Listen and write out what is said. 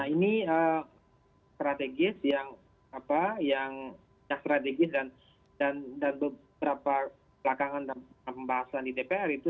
ini strategis yang strategis dan beberapa belakangan dalam pembahasan di dpr itu